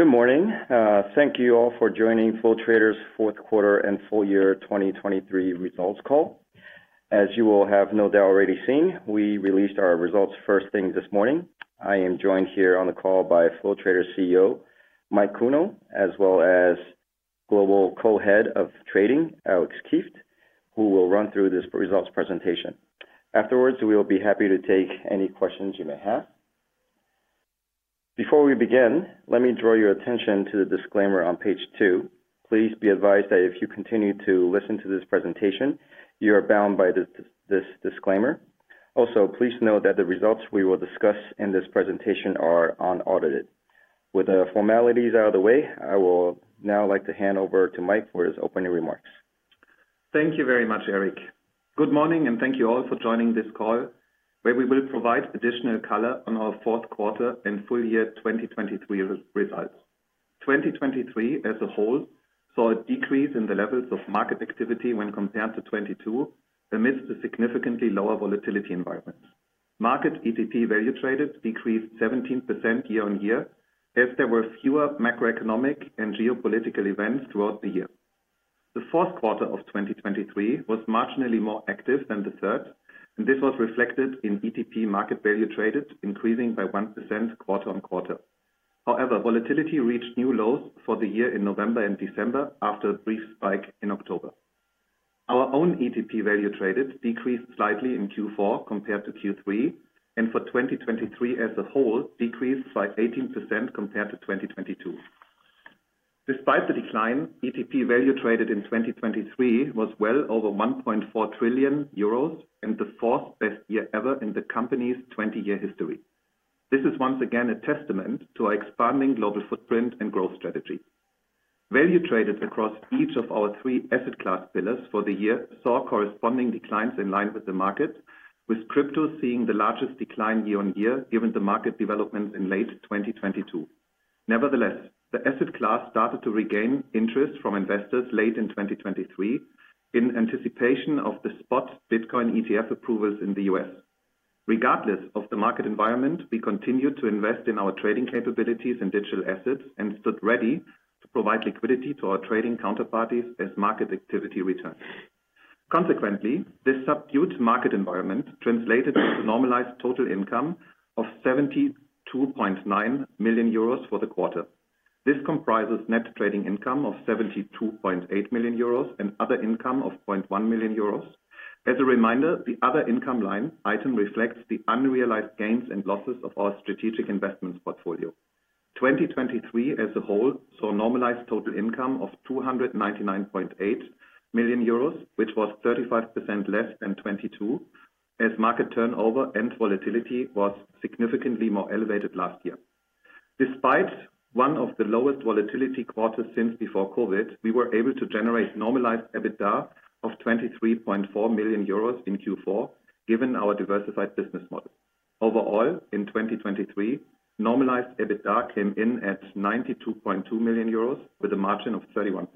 Good morning. Thank you all for joining Flow Traders fourth quarter and full year 2023 results call. As you will have no doubt already seen, we released our results first thing this morning. I am joined here on the call by Flow Traders CEO, Mike Kuehnel, as well as Global Co-Head of Trading, Alex Kieft, who will run through this results presentation. Afterwards, we will be happy to take any questions you may have. Before we begin, let me draw your attention to the disclaimer on page two. Please be advised that if you continue to listen to this presentation, you are bound by this disclaimer. Also, please note that the results we will discuss in this presentation are unaudited. With the formalities out of the way, I will now like to hand over to Mike for his opening remarks. Thank you very much, Eric. Good morning, and thank you all for joining this call, where we will provide additional color on our fourth quarter and full year 2023 results. 2023 as a whole, saw a decrease in the levels of market activity when compared to 2022, amidst a significantly lower volatility environment. Market ETP value traded decreased 17% year-on-year, as there were fewer macroeconomic and geopolitical events throughout the year. The fourth quarter of 2023 was marginally more active than the third, and this was reflected in ETP market value traded, increasing by 1% quarter-on-quarter. However, volatility reached new lows for the year in November and December after a brief spike in October. Our own ETP value traded decreased slightly in Q4 compared to Q3, and for 2023 as a whole, decreased by 18% compared to 2022. Despite the decline, ETP value traded in 2023 was well over 1.4 trillion euros, and the fourth best year ever in the company's 20-year history. This is once again a testament to our expanding global footprint and growth strategy. Value traded across each of our three asset class pillars for the year, saw corresponding declines in line with the market, with crypto seeing the largest decline year-on-year, given the market developments in late 2022. Nevertheless, the asset class started to regain interest from investors late in 2023 in anticipation of the spot Bitcoin ETF approvals in the U.S. Regardless of the market environment, we continued to invest in our trading capabilities and digital assets, and stood ready to provide liquidity to our trading counterparties as market activity returns. Consequently, this subdued market environment translated into normalized total income of 72.9 million euros for the quarter. This comprises net trading income of 72.8 million euros and other income of 0.1 million euros. As a reminder, the other income line item reflects the unrealized gains and losses of our strategic investments portfolio. 2023 as a whole, saw normalized total income of 299.8 million euros, which was 35% less than 2022, as market turnover and volatility was significantly more elevated last year. Despite one of the lowest volatility quarters since before COVID, we were able to generate normalized EBITDA of 23.4 million euros in Q4, given our diversified business model. Overall, in 2023, normalized EBITDA came in at 92.2 million euros, with a margin of 31%.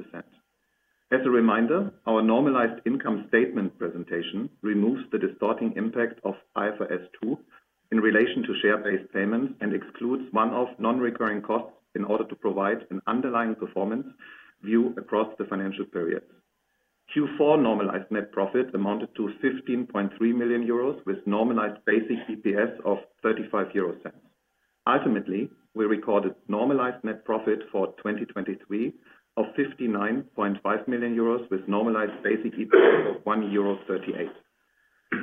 As a reminder, our normalized income statement presentation removes the distorting impact of IFRS 2 in relation to share-based payments, and excludes one-off non-recurring costs in order to provide an underlying performance view across the financial periods. Q4 normalized net profit amounted to 15.3 million euros, with normalized basic EPS of 0.35. Ultimately, we recorded normalized net profit for 2023 of 59.5 million euros, with normalized basic EPS of 1.38 euro.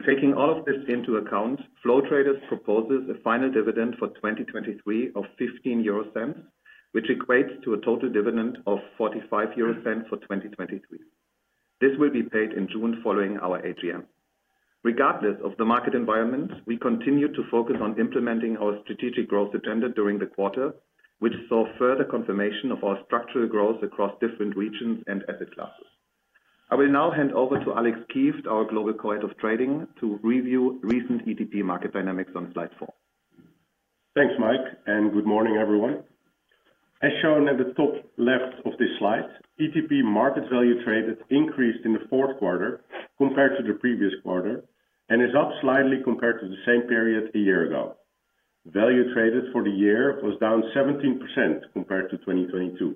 Taking all of this into account, Flow Traders proposes a final dividend for 2023 of 0.15, which equates to a total dividend of 0.45 for 2023. This will be paid in June following our AGM. Regardless of the market environment, we continue to focus on implementing our strategic growth agenda during the quarter, which saw further confirmation of our structural growth across different regions and asset classes. I will now hand over to Alex Kieft, our Global Co-Head of Trading, to review recent ETP market dynamics on slide four. Thanks, Mike, and good morning, everyone. As shown at the top left of this slide, ETP market value traded increased in the fourth quarter compared to the previous quarter, and is up slightly compared to the same period a year ago. Value traded for the year was down 17% compared to 2022.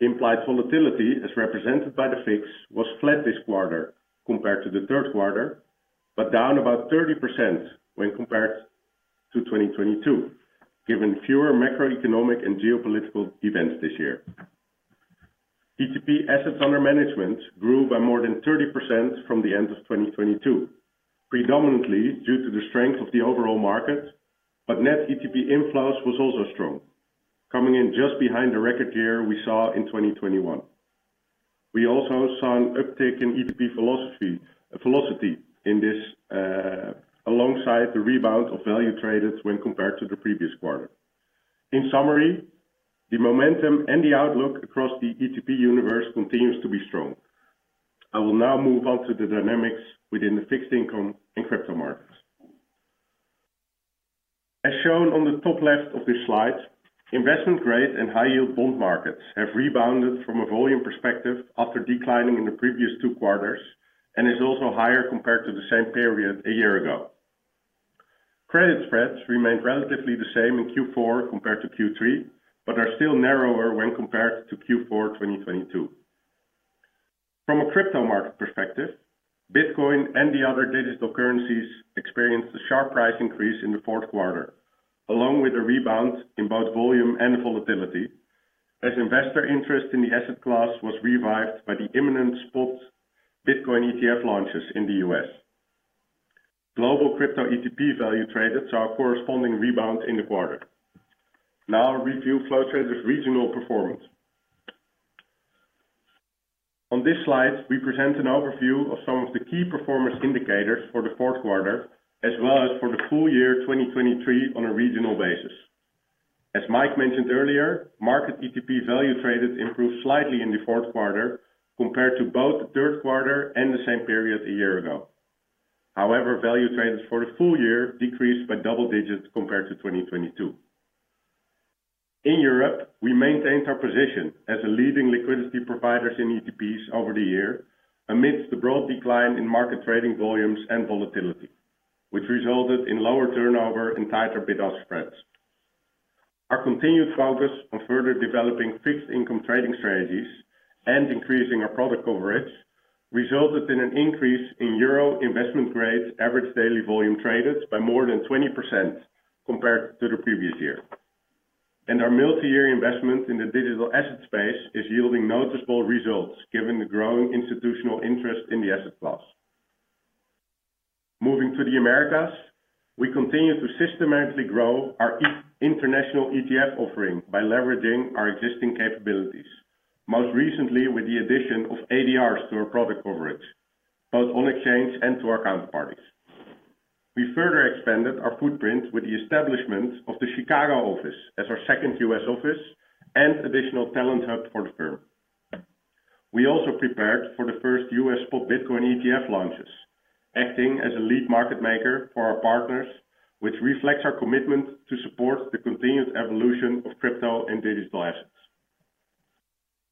Implied volatility, as represented by the VIX, was flat this quarter compared to the third quarter, but down about 30% when compared to 2022, given fewer macroeconomic and geopolitical events this year. ETP assets under management grew by more than 30% from the end of 2022, predominantly due to the strength of the overall market, but net ETP inflows was also strong, coming in just behind the record year we saw in 2021. We also saw an uptick in ETP flow velocity in this, alongside the rebound of value traded when compared to the previous quarter. In summary, the momentum and the outlook across the ETP universe continues to be strong. I will now move on to the dynamics within the fixed income and crypto markets. As shown on the top left of this slide, investment-grade and high yield bond markets have rebounded from a volume perspective after declining in the previous two quarters, and is also higher compared to the same period a year ago. Credit spreads remained relatively the same in Q4 compared to Q3, but are still narrower when compared to Q4, 2022. From a crypto market perspective, Bitcoin and the other digital currencies experienced a sharp price increase in the fourth quarter, along with a rebound in both volume and volatility, as investor interest in the asset class was revived by the imminent spot Bitcoin ETF launches in the U.S. Global crypto ETP value traded saw a corresponding rebound in the quarter. Now I'll review Flow Traders' regional performance. On this slide, we present an overview of some of the key performance indicators for the fourth quarter, as well as for the full year 2023 on a regional basis. As Mike mentioned earlier, market ETP value traded improved slightly in the fourth quarter compared to both the third quarter and the same period a year ago. However, value traded for the full year decreased by double digits compared to 2022. In Europe, we maintained our position as a leading liquidity provider in ETPs over the year, amidst the broad decline in market trading volumes and volatility, which resulted in lower turnover and tighter bid-ask spreads. Our continued focus on further developing fixed-income trading strategies and increasing our product coverage resulted in an increase in euro investment grade average daily volume traded by more than 20% compared to the previous year. Our multi-year investment in the digital asset space is yielding noticeable results, given the growing institutional interest in the asset class. Moving to the Americas, we continue to systematically grow our international ETF offering by leveraging our existing capabilities, most recently with the addition of ADRs to our product coverage, both on exchange and to our counterparties. We further expanded our footprint with the establishment of the Chicago office as our second U.S. office and additional talent hub for the firm. We also prepared for the first U.S. spot Bitcoin ETF launches, acting as a lead market maker for our partners, which reflects our commitment to support the continued evolution of crypto and digital assets.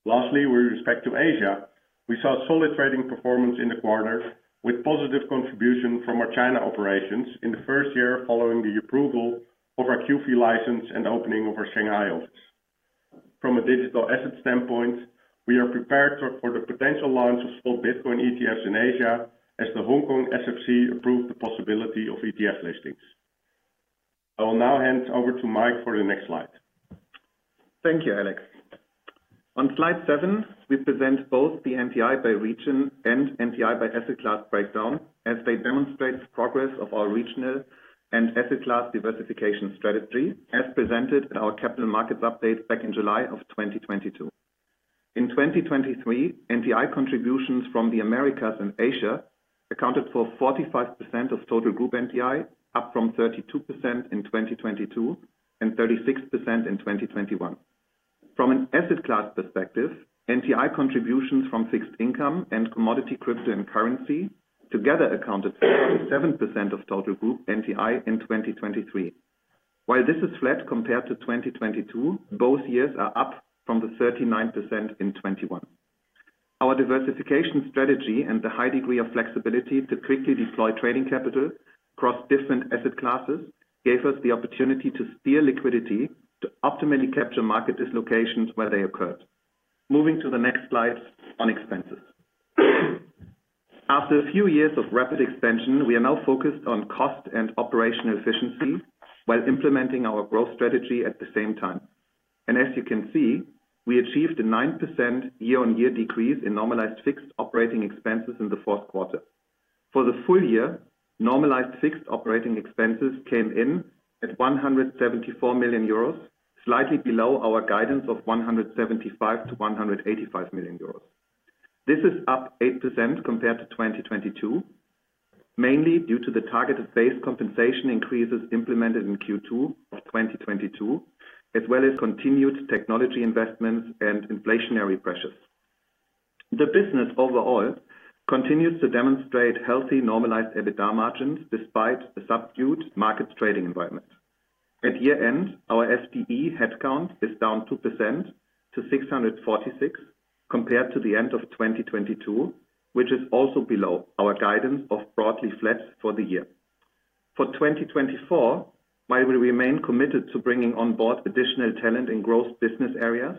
Lastly, with respect to Asia, we saw solid trading performance in the quarter, with positive contribution from our China operations in the first year following the approval of our QFII license and opening of our Shanghai office. From a digital asset standpoint, we are prepared for the potential launch of spot Bitcoin ETFs in Asia, as the Hong Kong SFC approved the possibility of ETF listings. I will now hand over to Mike for the next slide. Thank you, Alex. On slide seven, we present both the NTI by region and NTI by asset class breakdown, as they demonstrate the progress of our regional and asset class diversification strategy, as presented at our capital markets update back in July of 2022. In 2023, NTI contributions from the Americas and Asia accounted for 45% of total group NTI, up from 32% in 2022, and 36% in 2021. From an asset class perspective, NTI contributions from fixed income and commodity crypto and currency together accounted for 37% of total group NTI in 2023. While this is flat compared to 2022, both years are up from the 39% in 2021. Our diversification strategy and the high degree of flexibility to quickly deploy trading capital across different asset classes gave us the opportunity to steer liquidity to optimally capture market dislocations where they occurred. Moving to the next slide on expenses. After a few years of rapid expansion, we are now focused on cost and operational efficiency while implementing our growth strategy at the same time. As you can see, we achieved a 9% year-on-year decrease in normalized fixed operating expenses in the fourth quarter. For the full year, normalized fixed operating expenses came in at 174 million euros, slightly below our guidance of 175 million-185 million euros. This is up 8% compared to 2022, mainly due to the targeted base compensation increases implemented in Q2 of 2022, as well as continued technology investments and inflationary pressures. The business overall continues to demonstrate healthy, normalized EBITDA margins, despite the subdued markets trading environment. At year-end, our FTE headcount is down 2% to 646, compared to the end of 2022, which is also below our guidance of broadly flat for the year. For 2024, while we remain committed to bringing on board additional talent in growth business areas,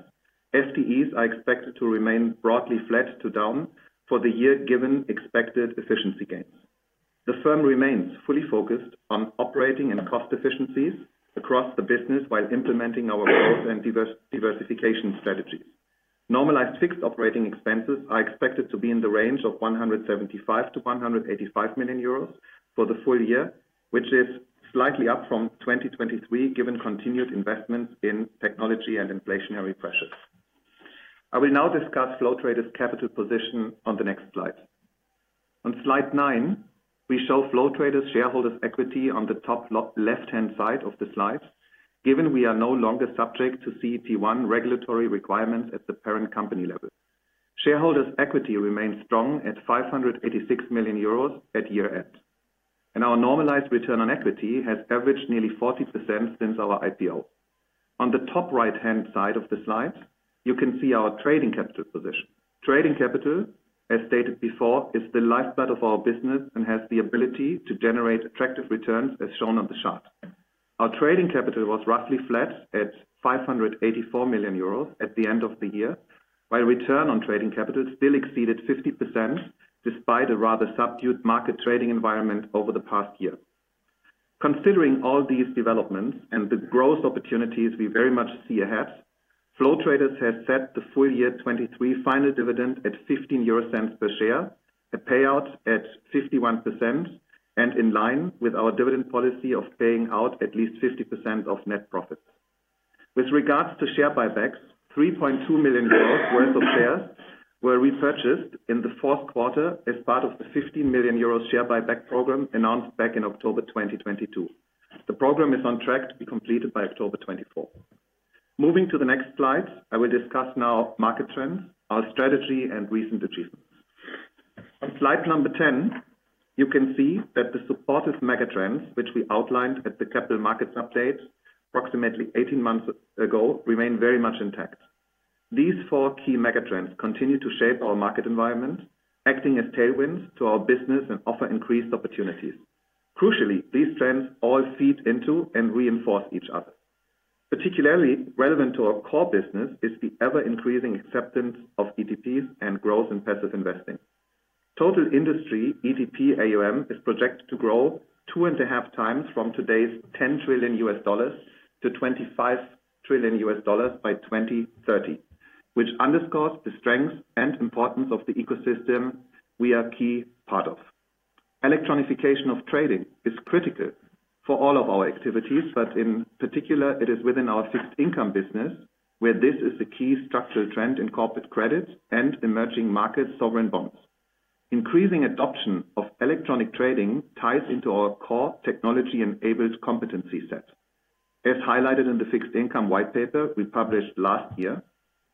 FTEs are expected to remain broadly flat to down for the year, given expected efficiency gains. The firm remains fully focused on operating and cost efficiencies across the business while implementing our growth and diversification strategies. Normalized fixed operating expenses are expected to be in the range of 175 million-185 million euros for the full year, which is slightly up from 2023, given continued investments in technology and inflationary pressures. I will now discuss Flow Traders' capital position on the next slide. On slide nine, we show Flow Traders' shareholders' equity on the top left-hand side of the slide, given we are no longer subject to CET1 regulatory requirements at the parent company level. Shareholders' equity remains strong at 586 million euros at year-end, and our normalized return on equity has averaged nearly 40% since our IPO. On the top right-hand side of the slide, you can see our trading capital position. Trading capital, as stated before, is the lifeblood of our business and has the ability to generate attractive returns, as shown on the chart. Our trading capital was roughly flat at 584 million euros at the end of the year, while return on trading capital still exceeded 50%, despite a rather subdued market trading environment over the past year. Considering all these developments and the growth opportunities we very much see ahead, Flow Traders has set the full year 2023 final dividend at €0.15 per share, a payout at 51%, and in line with our dividend policy of paying out at least 50% of net profits. With regards to share buybacks, 3.2 million euros worth of shares were repurchased in the fourth quarter as part of the 50 million euros share buyback program announced back in October 2022. The program is on track to be completed by October 2024. Moving to the next slide, I will discuss now market trends, our strategy, and recent achievements. On slide number 10, you can see that the supportive megatrends, which we outlined at the capital markets update approximately 18 months ago, remain very much intact. These 4 key megatrends continue to shape our market environment, acting as tailwinds to our business and offer increased opportunities. Crucially, these trends all feed into and reinforce each other. Particularly relevant to our core business is the ever-increasing acceptance of ETPs and growth in passive investing. Total industry ETP AUM is projected to grow 2.5 times from today's $10 trillion to $25 trillion by 2030, which underscores the strength and importance of the ecosystem we are a key part of. Electronification of trading is critical for all of our activities, but in particular, it is within our fixed income business, where this is the key structural trend in corporate credits and emerging market sovereign bonds. Increasing adoption of electronic trading ties into our core technology-enabled competency set. As highlighted in the fixed income white paper we published last year,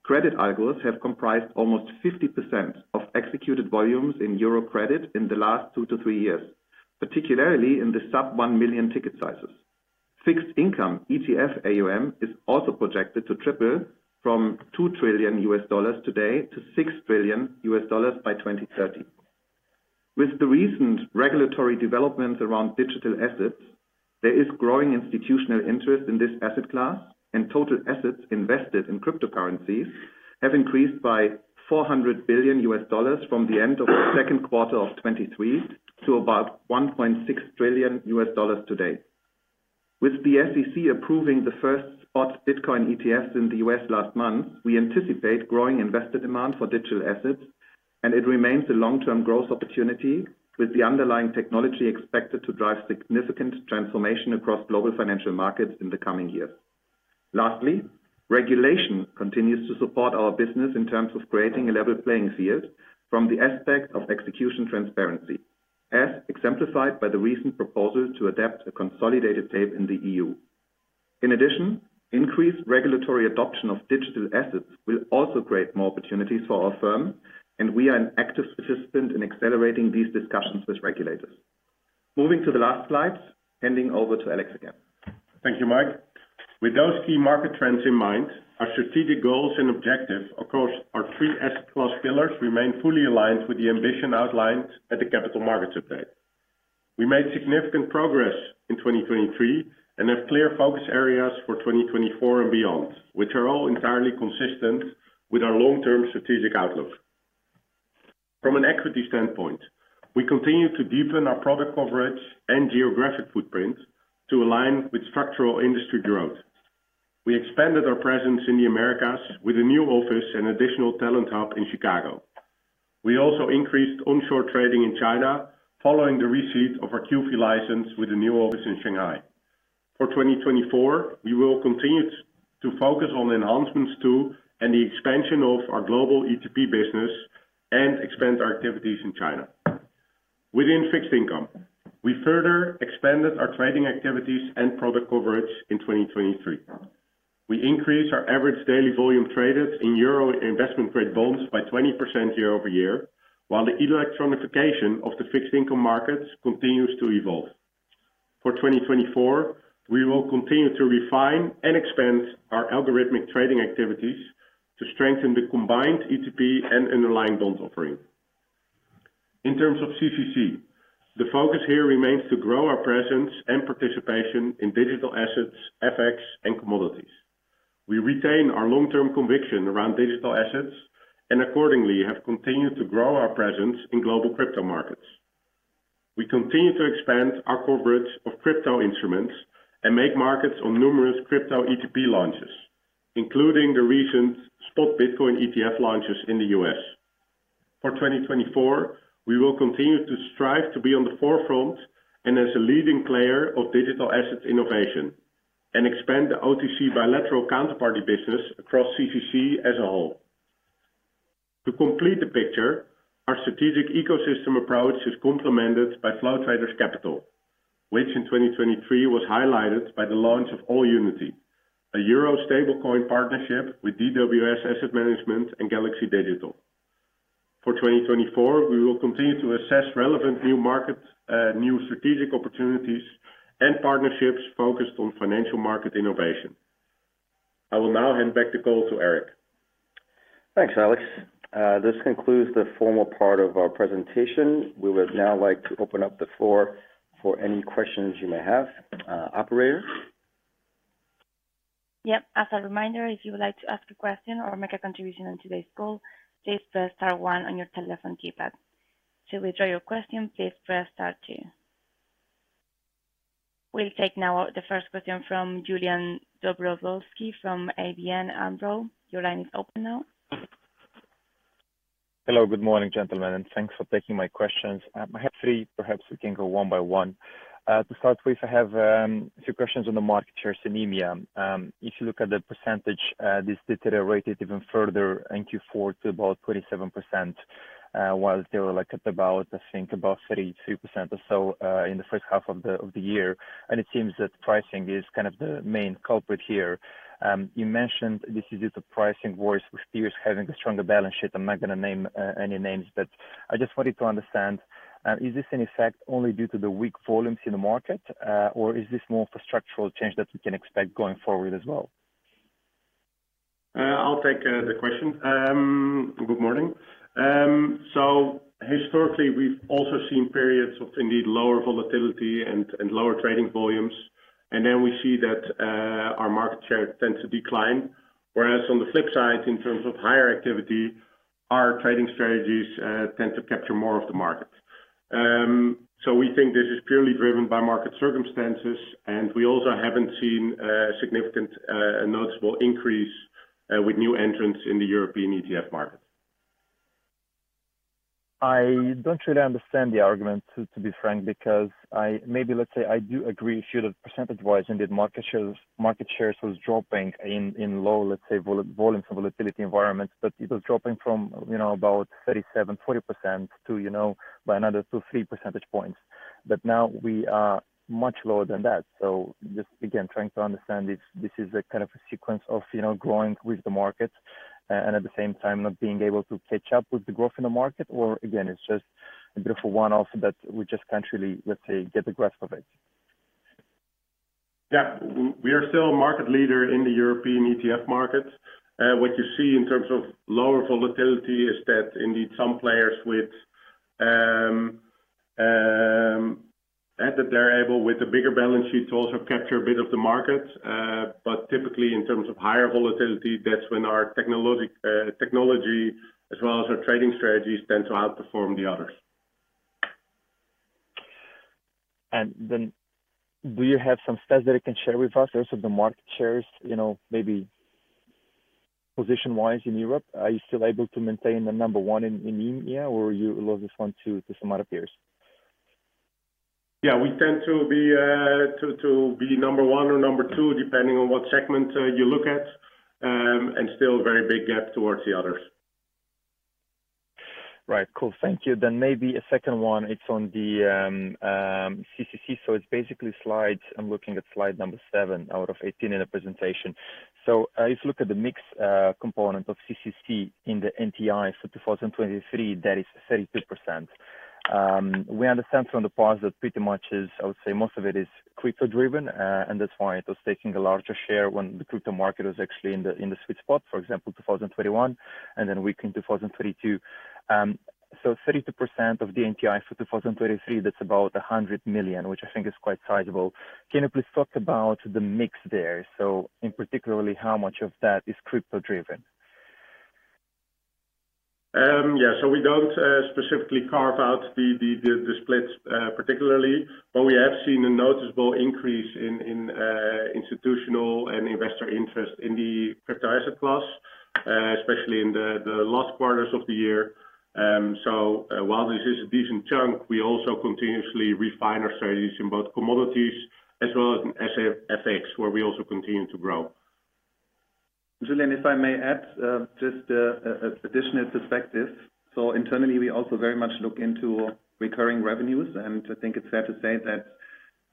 credit algos have comprised almost 50% of executed volumes in Euro Credit in the last 2-3 years, particularly in the sub 1 million ticket sizes. Fixed income ETF AUM is also projected to triple from $2 trillion today to $6 trillion by 2030. With the recent regulatory developments around digital assets, there is growing institutional interest in this asset class, and total assets invested in cryptocurrencies have increased by $400 billion from the end of the second quarter of 2023 to about $1.6 trillion today. With the SEC approving the first spot Bitcoin ETFs in the U.S. last month, we anticipate growing investor demand for digital assets, and it remains a long-term growth opportunity, with the underlying technology expected to drive significant transformation across global financial markets in the coming years. Lastly, regulation continues to support our business in terms of creating a level playing field from the aspect of execution transparency, as exemplified by the recent proposal to adapt a consolidated tape in the EU. In addition, increased regulatory adoption of digital assets will also create more opportunities for our firm, and we are an active participant in accelerating these discussions with regulators. Moving to the last slide, handing over to Alex again. Thank you, Mike. With those key market trends in mind, our strategic goals and objectives across our three asset class pillars remain fully aligned with the ambition outlined at the capital markets update. We made significant progress in 2023 and have clear focus areas for 2024 and beyond, which are all entirely consistent with our long-term strategic outlook. From an equity standpoint, we continue to deepen our product coverage and geographic footprint to align with structural industry growth. We expanded our presence in the Americas with a new office and additional talent hub in Chicago. We also increased onshore trading in China, following the receipt of our QFII license with a new office in Shanghai. For 2024, we will continue to focus on the enhancements, too, and the expansion of our global ETP business and expand our activities in China. Within fixed income, we further expanded our trading activities and product coverage in 2023. We increased our average daily volume traded in euro investment-grade bonds by 20% year-over-year, while the electronification of the fixed income markets continues to evolve. For 2024, we will continue to refine and expand our algorithmic trading activities to strengthen the combined ETP and underlying bond offering. In terms of CCC, the focus here remains to grow our presence and participation in digital assets, FX, and commodities. We retain our long-term conviction around digital assets and accordingly, have continued to grow our presence in global crypto markets. We continue to expand our coverage of crypto instruments and make markets on numerous crypto ETP launches, including the recent spot Bitcoin ETF launches in the U.S. For 2024, we will continue to strive to be on the forefront and as a leading player of digital asset innovation and expand the OTC bilateral counterparty business across CCC as a whole. To complete the picture, our strategic ecosystem approach is complemented by Flow Traders Capital, which in 2023 was highlighted by the launch of AllUnity, a euro stablecoin partnership with DWS Asset Management and Galaxy Digital. For 2024, we will continue to assess relevant new markets, new strategic opportunities and partnerships focused on financial market innovation. I will now hand back the call to Eric. Thanks, Alex. This concludes the formal part of our presentation. We would now like to open up the floor for any questions you may have. Operator? Yep. As a reminder, if you would like to ask a question or make a contribution on today's call, please press star one on your telephone keypad. To withdraw your question, please press star two. We'll take now the first questin from Iulian Dobrovolschi from ABN AMRO. Your line is open now. Hello, good morning, gentlemen, and thanks for taking my questions. I have three. Perhaps we can go one by one. To start with, I have a few questions on the market share in EMEA. If you look at the percentage, this deteriorated even further in Q4 to about 27%, while they were, like, at about, I think, about 32% or so, in the first half of the year. And it seems that pricing is kind of the main culprit here. You mentioned this is just a pricing wars with peers having a stronger balance sheet. I'm not going to name any names, but I just wanted to understand, is this in effect only due to the weak volumes in the market, or is this more of a structural change that we can expect going forward as well? I'll take the question. Good morning. So historically, we've also seen periods of indeed lower volatility and lower trading volumes. Then we see that our market share tends to decline, whereas on the flip side, in terms of higher activity, our trading strategies tend to capture more of the market. So we think this is purely driven by market circumstances, and we also haven't seen a significant noticeable increase with new entrants in the European ETF market. I don't really understand the argument, to be frank, because maybe let's say I do agree, sure, that percentage-wise, indeed, market shares, market shares was dropping in low, let's say, volumes and volatility environments, but it was dropping from, you know, about 37%-40% to, you know, by another 2-3 percentage points. But now we are much lower than that. So just, again, trying to understand if this is a kind of a sequence of, you know, growing with the market and at the same time not being able to catch up with the growth in the market, or again, it's just a bit of a one-off that we just can't really, let's say, get the grasp of it. Yeah. We are still a market leader in the European ETF market. What you see in terms of lower volatility is that indeed some players with, that they're able, with a bigger balance sheet, to also capture a bit of the market. But typically in terms of higher volatility, that's when our technology as well as our trading strategies tend to outperform the others. And then do you have some stats that you can share with us also, the market shares, you know, maybe position-wise in Europe? Are you still able to maintain the number one in EMEA, or you lose this one to some other peers? Yeah, we tend to be number one or number two, depending on what segment you look at, and still a very big gap towards the others. Right. Cool. Thank you. Then maybe a second one, it's on the CCC. So it's basically slide... I'm looking at slide number seven out of 18 in the presentation. So if you look at the mix, component of CCC in the NTI for 2023, that is 32%. We understand from the past that pretty much is-- I would say most of it is crypto-driven, and that's why it was taking a larger share when the crypto market was actually in the sweet spot. For example, 2021, and then weak in 2022. So 32% of the NTI for 2023, that's about 100 million, which I think is quite sizable. Can you please talk about the mix there? So in particular, how much of that is crypto-driven? Yeah. So we don't specifically carve out the splits particularly, but we have seen a noticeable increase in institutional and investor interest in the crypto asset class, especially in the last quarters of the year. While this is a decent chunk, we also continuously refine our strategies in both commodities as well as in FX, where we also continue to grow. lulian, if I may add, just an additional perspective. So internally, we also very much look into recurring revenues, and I think it's fair to say that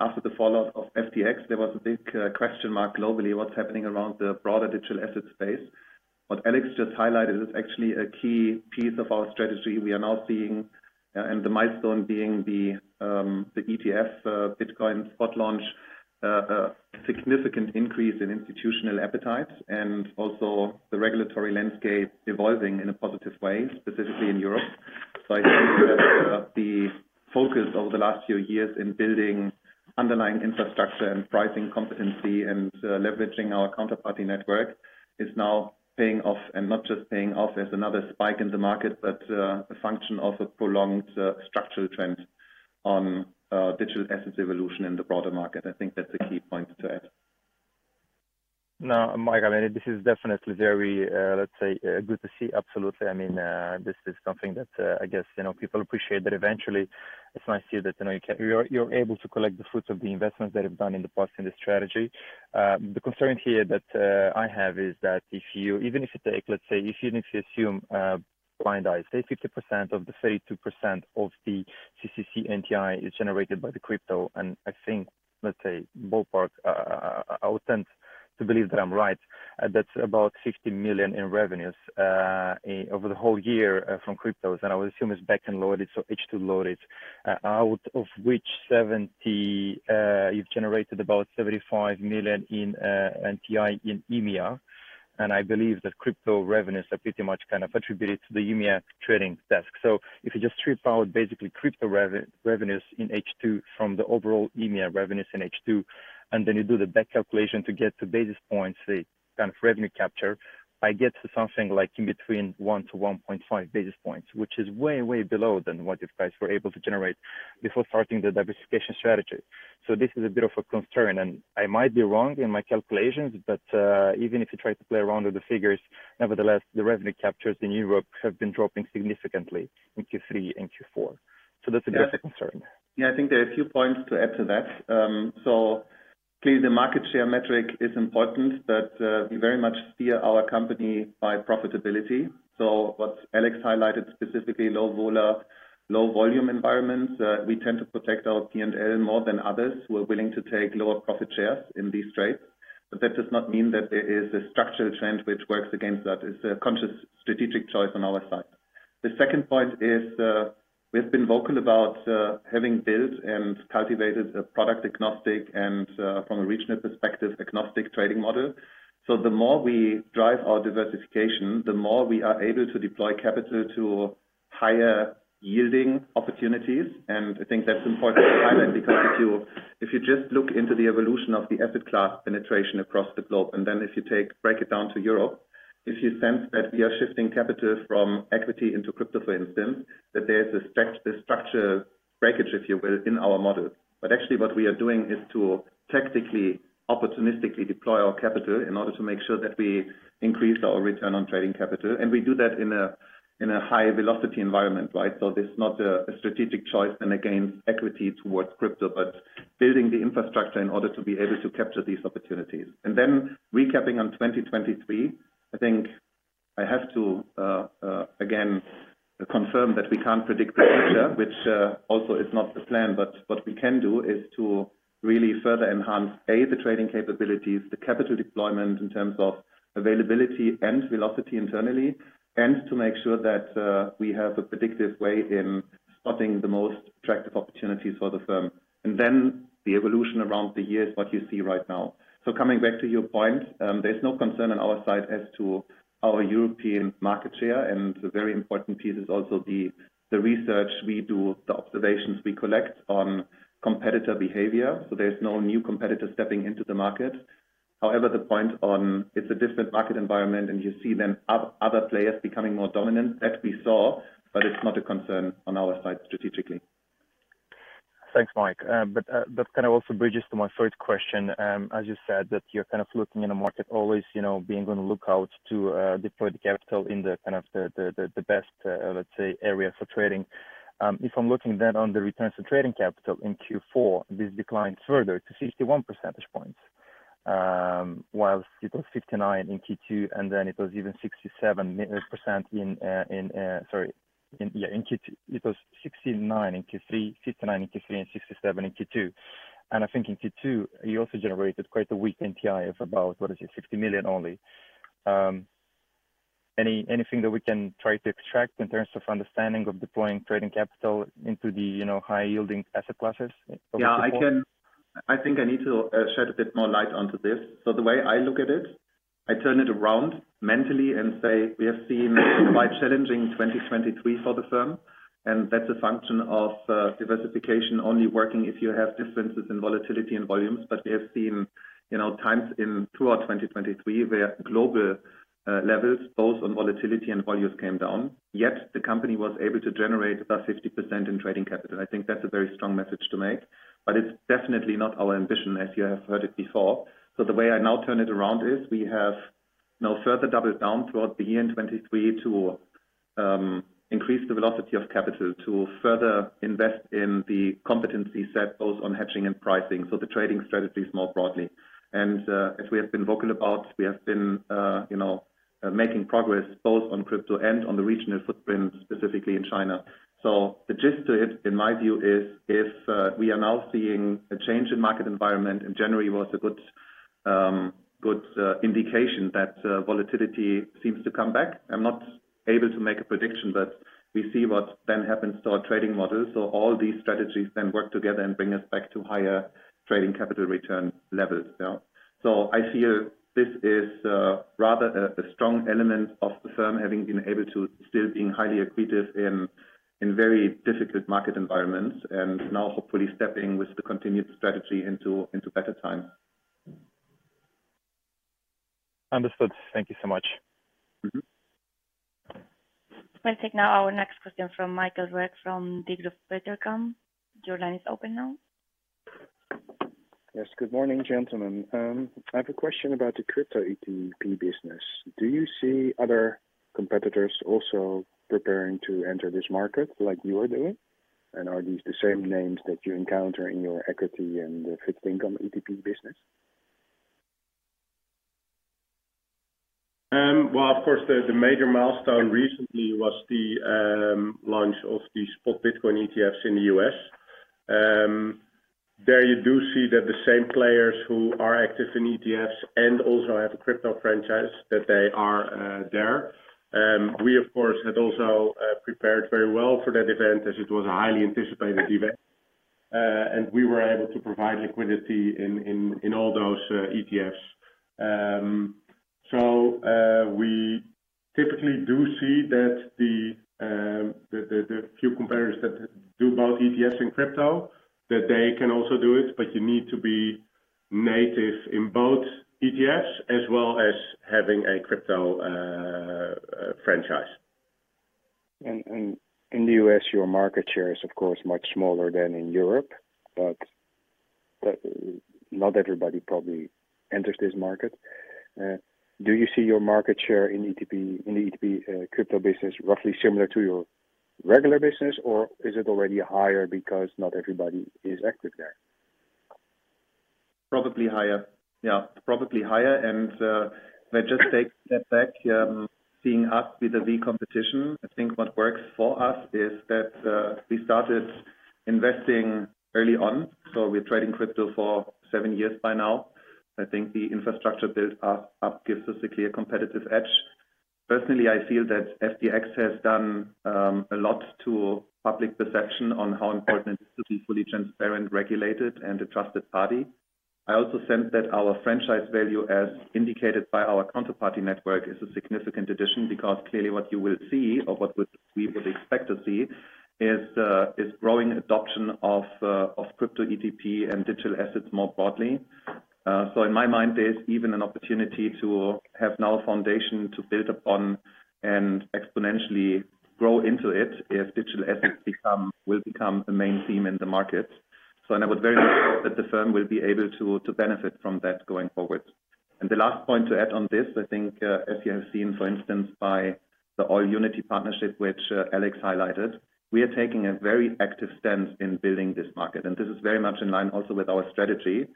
after the fallout of FTX, there was a big question mark globally, what's happening around the broader digital asset space. What Alex just highlighted is actually a key piece of our strategy. We are now seeing, and the milestone being the ETF Bitcoin spot launch, a significant increase in institutional appetite and also the regulatory landscape evolving in a positive way, specifically in Europe. So I think that, the focus over the last few years in building underlying infrastructure and pricing competency and, leveraging our counterparty network is now paying off, and not just paying off as another spike in the market, but, a function of a prolonged, structural trend on, digital assets evolution in the broader market. I think that's a key point to add. No, Mike, I mean, this is definitely very, let's say, good to see. Absolutely. I mean, this is something that, I guess, you know, people appreciate that eventually. It's nice to see that, you know, you can-- you are, you're able to collect the fruits of the investments that you've done in the past in the strategy. The concern here that I have is that if you-- even if you take, let's say, if you need to assume, blind eyes, say 50% of the 32% of the CCC NTI is generated by the crypto, and I think, let's say, ballpark, I would tend to believe that I'm right, that's about 60 million in revenues, in, over the whole year, from cryptos, and I would assume it's back-end loaded, so H2 loaded. Out of which 70, you've generated about 75 million in NTI in EMEA. And I believe that crypto revenues are pretty much kind of attributed to the EMEA trading desk. So if you just strip out, basically, crypto revenues in H2 from the overall EMEA revenues in H2, and then you do the back calculation to get to basis points, the kind of revenue capture, I get to something like in between 1-1.5 basis points, which is way, way below than what you guys were able to generate before starting the diversification strategy. So this is a bit of a concern, and I might be wrong in my calculations, but even if you try to play around with the figures, nevertheless, the revenue captures in Europe have been dropping significantly in Q3 and Q4. So that's a bit of a concern. Yeah, I think there are a few points to add to that. So clearly, the market share metric is important, but we very much steer our company by profitability. So what Alex highlighted, specifically, low vola, low volume environments, we tend to protect our P&L more than others. We're willing to take lower profit shares in these trades, but that does not mean that there is a structural change which works against that. It's a conscious, strategic choice on our side. The second point is, we have been vocal about having built and cultivated a product-agnostic and, from a regional perspective, agnostic trading model. So the more we drive our diversification, the more we are able to deploy capital to higher yielding opportunities. I think that's important to highlight, because if you, if you just look into the evolution of the asset class penetration across the globe, and then if you take, break it down to Europe, if you sense that we are shifting capital from equity into crypto, for instance, that there is a structure, structure breakage, if you will, in our model. Actually, what we are doing is to tactically, opportunistically deploy our capital in order to make sure that we increase our return on trading capital. We do that in a, in a high velocity environment, right? This is not a, a strategic choice and against equity towards crypto, but building the infrastructure in order to be able to capture these opportunities. And then recapping on 2023, I think I have to again confirm that we can't predict the future, which also is not the plan. But what we can do is to really further enhance, A, the trading capabilities, the capital deployment in terms of availability and velocity internally, and to make sure that we have a predictive way in spotting the most attractive opportunities for the firm. And then the evolution around the year is what you see right now. So coming back to your point, there's no concern on our side as to our European market share, and the very important piece is also the, the research we do, the observations we collect on competitor behavior, so there's no new competitor stepping into the market. However, the point on it's a different market environment, and you see them, other players becoming more dominant, that we saw, but it's not a concern on our side strategically. Thanks, Mike. But that kind of also bridges to my third question. As you said, that you're kind of looking in a market always, you know, being on the lookout to deploy the capital in the kind of the best, let's say, area for trading. If I'm looking then on the returns to trading capital in Q4, this declined further to 61 percentage points, while it was 59 in Q2, and then it was even 67% in... Sorry, in, yeah, in Q2 it was 69 in Q3, 59 in Q3 and 67 in Q2. And I think in Q2, you also generated quite a weak NTI of about, what is it? 60 million only. Anything that we can try to extract in terms of understanding of deploying trading capital into the, you know, high-yielding asset classes for Q4? Yeah, I can. I think I need to shed a bit more light onto this. So the way I look at it, I turn it around mentally and say, "We have seen quite challenging 2023 for the firm," and that's a function of diversification only working if you have differences in volatility and volumes. But we have seen, you know, times in throughout 2023, where global levels, both on volatility and volumes came down, yet the company was able to generate about 60% in trading capital. I think that's a very strong message to make, but it's definitely not our ambition, as you have heard it before. So the way I now turn it around is we have now further doubled down throughout the year in 2023, to increase the velocity of capital, to further invest in the competency set, both on hedging and pricing, so the trading strategies more broadly. And as we have been vocal about, we have been you know making progress both on crypto and on the regional footprint, specifically in China. So the gist to it, in my view, is if we are now seeing a change in market environment, and January was a good indication that volatility seems to come back. I'm not able to make a prediction, but we see what then happens to our trading models. So all these strategies then work together and bring us back to higher trading capital return levels. Yeah. I see this is rather a strong element of the firm having been able to still being highly accretive in very difficult market environments, and now hopefully stepping with the continued strategy into better times. Understood. Thank you so much. We'll take now our next question from Michael Roeg from Degroof Petercam. Your line is open now. Yes, good morning, gentlemen. I have a question about the crypto ETP business. Do you see other competitors also preparing to enter this market like you are doing? And are these the same names that you encounter in your equity and the fixed income ETP business? Well, of course, the major milestone recently was the launch of the spot Bitcoin ETFs in the U.S. There you do see that the same players who are active in ETFs and also have a crypto franchise, that they are there. We, of course, had also prepared very well for that event as it was a highly anticipated event. And we were able to provide liquidity in all those ETFs. So, we typically do see that the few competitors that do both ETFs and crypto, that they can also do it, but you need to be native in both ETFs as well as having a crypto franchise. In the U.S., your market share is, of course, much smaller than in Europe, but not everybody probably enters this market. Do you see your market share in ETP, in the ETP, crypto business, roughly similar to your regular business, or is it already higher because not everybody is active there? Probably higher. Yeah, probably higher. And, let just take a step back, seeing us with the competition, I think what works for us is that, we started investing early on, so we're trading crypto for seven years by now. I think the infrastructure build up gives us a clear competitive edge. Personally, I feel that FTX has done, a lot to public perception on how important it is to be fully transparent, regulated, and a trusted party. I also sense that our franchise value, as indicated by our counterparty network, is a significant addition, because clearly what you will see or what we would expect to see is, growing adoption of, of crypto ETP and digital assets more broadly. So in my mind, there's even an opportunity to have now a foundation to build upon and exponentially grow into it as digital assets will become the main theme in the market. So and I would very much hope that the firm will be able to benefit from that going forward. And the last point to add on this, I think, as you have seen, for instance, by the AllUnity partnership, which Alex highlighted, we are taking a very much active stance in building this market, and this is very much in line also with our strategy.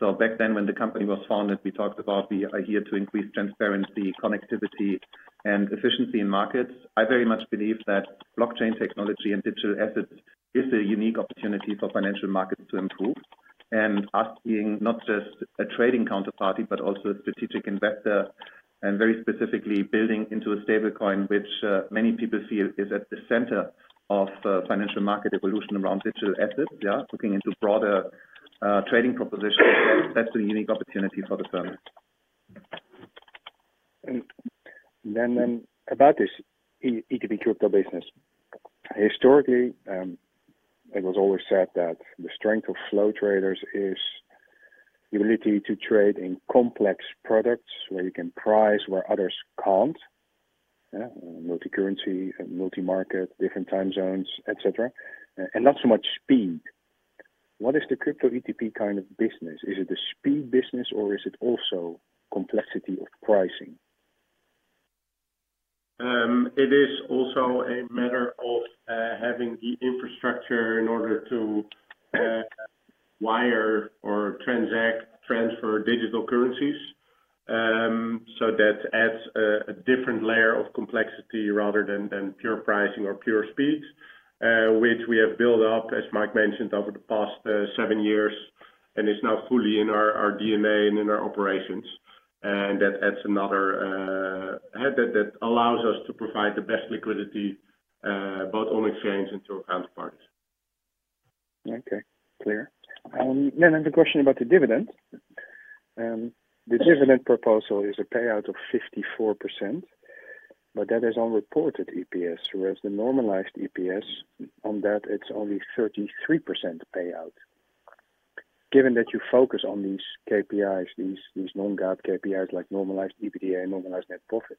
So back then, when the company was founded, we talked about we are here to increase transparency, connectivity, and efficiency in markets. I very much believe that blockchain technology and digital assets is a unique opportunity for financial markets to improve. Us being not just a trading counterparty, but also a strategic investor, and very specifically, building into a stablecoin, which many people feel is at the center of financial market evolution around digital assets. Yeah, looking into broader trading propositions, that's a unique opportunity for the firm. Then, about this ETP crypto business. Historically, it was always said that the strength of Flow Traders is the ability to trade in complex products, where you can price where others can't, yeah, multi-currency, multi-market, different time zones, et cetera, and not so much speed. What is the crypto ETP kind of business? Is it a speed business, or is it also complexity of pricing? It is also a matter of having the infrastructure in order to wire or transact, transfer digital currencies. So that adds a different layer of complexity rather than pure pricing or pure speed, which we have built up, as Mike mentioned, over the past seven years, and is now fully in our DNA and in our operations. That adds another header that allows us to provide the best liquidity, both on exchange and to our counterparties. Okay, clear. Then I have a question about the dividend. The dividend proposal is a payout of 54%, but that is on reported EPS, whereas the normalized EPS on that, it's only 33% payout. Given that you focus on these KPIs, these, these non-GAAP KPIs, like normalized EBITDA and normalized net profit,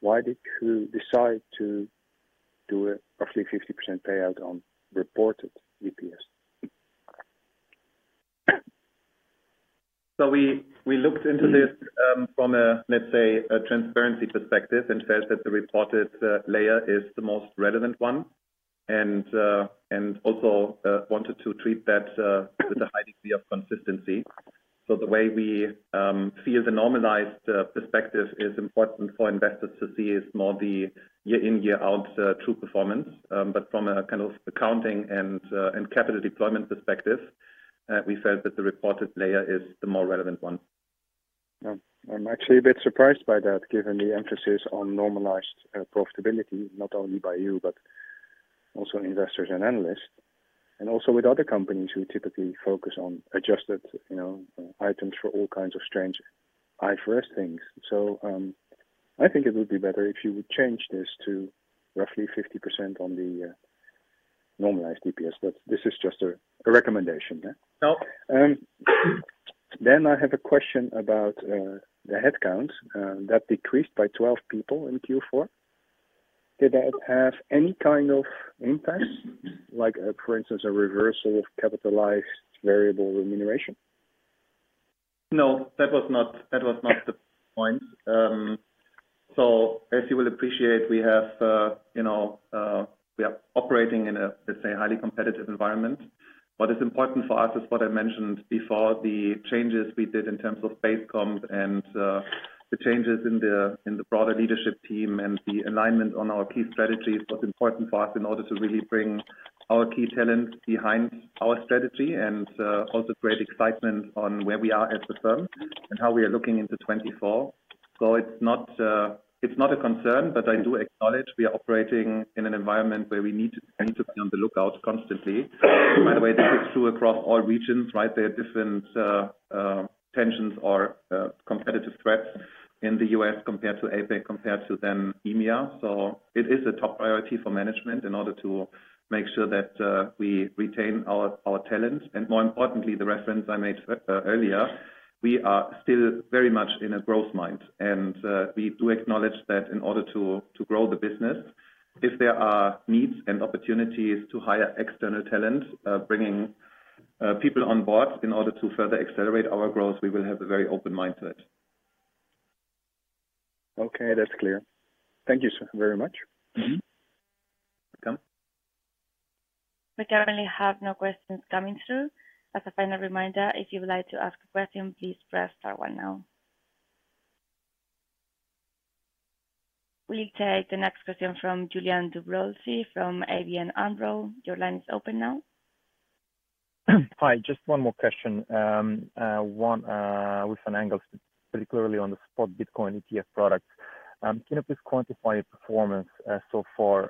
why did you decide to do a roughly 50% payout on reported EPS? So we looked into this, from a, let's say, a transparency perspective, and felt that the reported layer is the most relevant one, and, and also, wanted to treat that, with a high degree of consistency. So the way we see the normalized perspective is important for investors to see is more the year in, year out, true performance. But from a kind of accounting and, and capital deployment perspective, we felt that the reported layer is the more relevant one. I'm actually a bit surprised by that, given the emphasis on normalized profitability, not only by you, but also investors and analysts, and also with other companies who typically focus on adjusted, you know, items for all kinds of strange IFRS things. So, I think it would be better if you would change this to roughly 50% on the normalized DPS, but this is just a recommendation, yeah? No. Then I have a question about the headcount that decreased by 12 people in Q4. Did that have any kind of impact, like, for instance, a reversal of capitalized variable remuneration? No, that was not, that was not the point. So as you will appreciate, we have, you know, we are operating in a, let's say, highly competitive environment. What is important for us is what I mentioned before, the changes we did in terms of base comp and, the changes in the, in the broader leadership team and the alignment on our key strategies was important for us in order to really bring our key talents behind our strategy and, also create excitement on where we are as a firm and how we are looking into 2024. So it's not, it's not a concern, but I do acknowledge we are operating in an environment where we need to be on the lookout constantly. By the way, this is true across all regions, right? There are different tensions or competitive threats in the U.S. compared to APAC, compared to then EMEA. So it is a top priority for management in order to make sure that we retain our talent. And more importantly, the reference I made earlier, we are still very much in a growth mind, and we do acknowledge that in order to grow the business, if there are needs and opportunities to hire external talent, bringing people on board in order to further accelerate our growth, we will have a very open mind to it. Okay, that's clear. Thank you so very much. We currently have no questions coming through. As a final reminder, if you would like to ask a question, please press star one now. We'll take the next question from Iulian Dobrovolschi from ABN AMRO. Your line is open now. Hi, just one more question. One, with an angle particularly on the spot Bitcoin ETF products. Can you please quantify your performance, so far,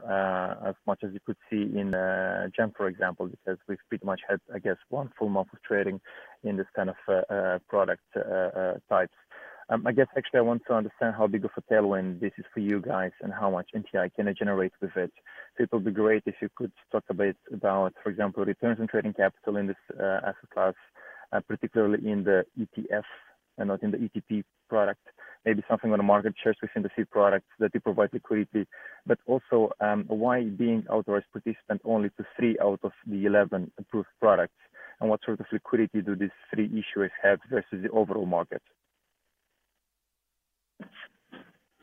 as much as you could see in, January, for example, because we've pretty much had, I guess, one full month of trading in this kind of, product, types. I guess actually I want to understand how big of a tailwind this is for you guys and how much NTI can it generate with it. It will be great if you could talk a bit about, for example, returns on trading capital in this, asset class, particularly in the ETF and not in the ETP product. Maybe something on the market shares within the ETF products that you provide liquidity, but also, why being authorized participant only to 3 out of the 11 approved products, and what sort of liquidity do these three issuers have versus the overall market?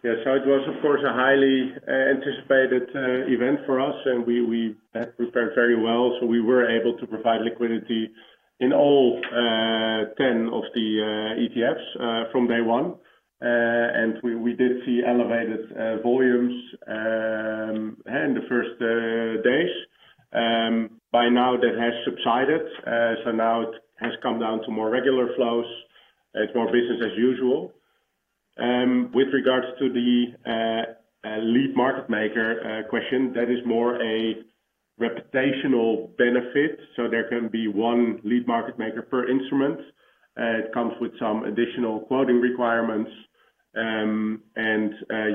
Yeah. So it was, of course, a highly anticipated event for us, and we had prepared very well. So we were able to provide liquidity in all 10 of the ETFs from day one. And we did see elevated volumes in the first days. By now that has subsided, so now it has come down to more regular flows. It's more business as usual. With regards to the lead market maker question, that is more a reputational benefit. So there can be one lead market maker per instrument. It comes with some additional quoting requirements, and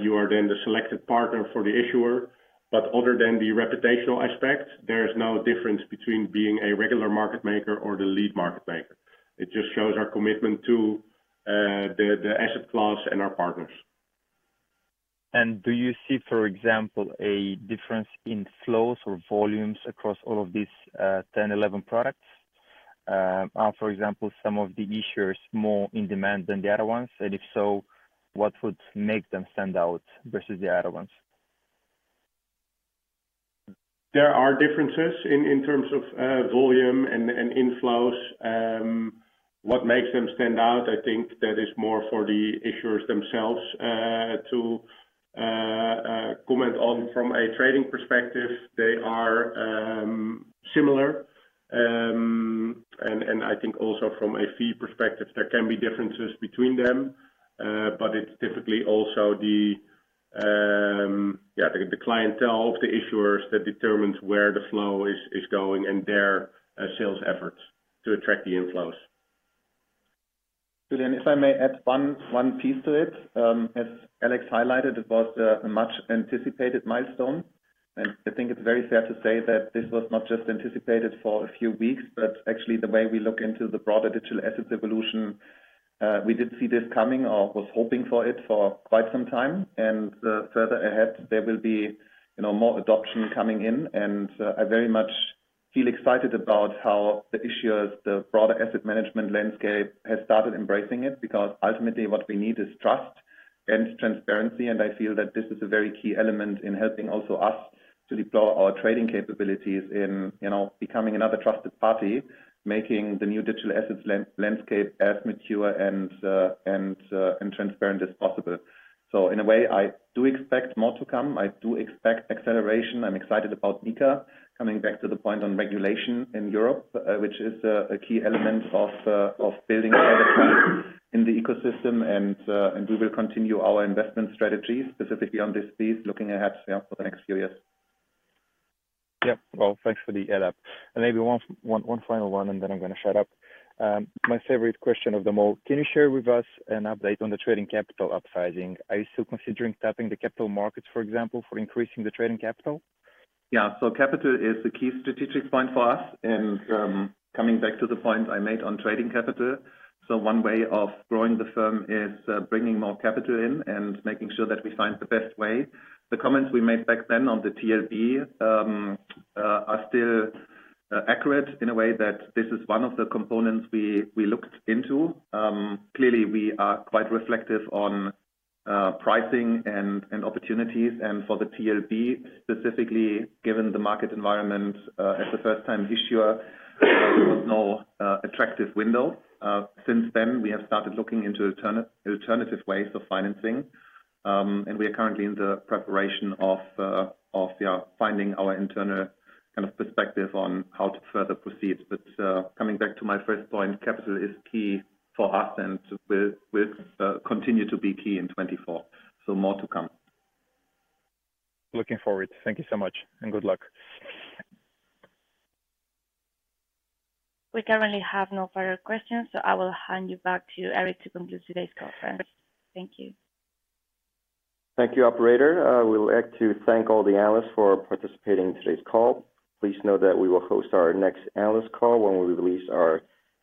you are then the selected partner for the issuer. But other than the reputational aspect, there is no difference between being a regular market maker or the lead market maker. It just shows our commitment to the asset class and our partners. Do you see, for example, a difference in flows or volumes across all of these 10, 11 products? Are, for example, some of the issuers more in demand than the other ones? And if so, what would make them stand out versus the other ones? There are differences in terms of volume and inflows. What makes them stand out? I think that is more for the issuers themselves to comment on. From a trading perspective, they are similar. And I think also from a fee perspective, there can be differences between them, but it's typically also the clientele of the issuers that determines where the flow is going and their sales efforts to attract the inflows. lulian, if I may add one piece to it. As Alex highlighted, it was a much-anticipated milestone, and I think it's very fair to say that this was not just anticipated for a few weeks, but actually the way we look into the broader digital assets evolution, we did see this coming or was hoping for it for quite some time. And further ahead, there will be, you know, more adoption coming in, and I very much feel excited about how the issuers, the broader asset management landscape, has started embracing it, because ultimately what we need is trust and transparency. And I feel that this is a very key element in helping also us to deploy our trading capabilities in, you know, becoming another trusted party, making the new digital assets landscape as mature and transparent as possible. So in a way, I do expect more to come. I do expect acceleration. I'm excited about MiCA, coming back to the point on regulation in Europe, which is a key element of building in the ecosystem. And we will continue our investment strategy, specifically on this piece, looking ahead, yeah, for the next few years. Yeah. Well, thanks for the add up. And maybe one final one, and then I'm going to shut up. My favorite question of them all: Can you share with us an update on the trading capital upsizing? Are you still considering tapping the capital markets, for example, for increasing the trading capital? Yeah. So capital is the key strategic point for us, and coming back to the point I made on trading capital. So one way of growing the firm is bringing more capital in and making sure that we find the best way. The comments we made back then on the TLB are still accurate in a way that this is one of the components we looked into. Clearly, we are quite reflective on pricing and opportunities. And for the TLB, specifically, given the market environment, as a first-time issuer, there was no attractive window. Since then, we have started looking into alternative ways of financing, and we are currently in the preparation of finding our internal kind of perspective on how to further proceed. But, coming back to my first point, capital is key for us, and will continue to be key in 2024. So more to come. Looking forward. Thank you so much, and good luck. We currently have no further questions, so I will hand you back to Eric to conclude today's conference. Thank you. Thank you, operator. We would like to thank all the analysts for participating in today's call. Please note that we will host our next analyst call when we release our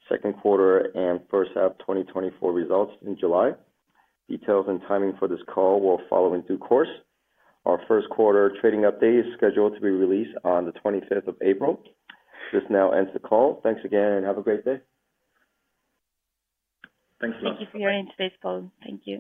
second quarter and first half 2024 results in July. Details and timing for this call will follow in due course. Our first quarter trading update is scheduled to be released on the 25th of April. This now ends the call. Thanks again, and have a great day. Thanks a lot. Thank you for your interest in today's call. Thank you.